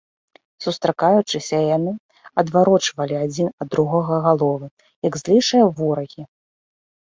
Сустракаючыся, яны адварочвалі адзін ад другога галовы, як злейшыя ворагі.